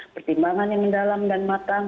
pertimbangan yang mendalam dan matang